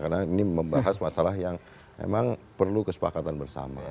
karena ini membahas masalah yang memang perlu kesepakatan bersama